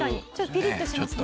ピリッとしますね。